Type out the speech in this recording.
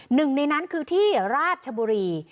หนึ่งในนั้นคือที่ราชบุรี